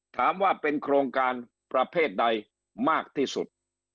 ถามว่าเป็นโครงการประเภทใดมากที่สุด